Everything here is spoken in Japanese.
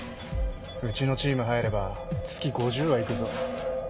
うちのチーム入れば月５０はいくぞ。